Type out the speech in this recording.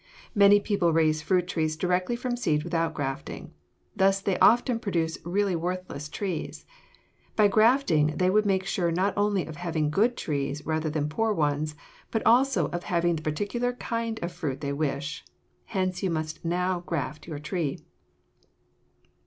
Many people raise fruit trees directly from seed without grafting. Thus they often produce really worthless trees. By grafting they would make sure not only of having good trees rather than poor ones but also of having the particular kind of fruit that they wish. Hence you must now graft your tree.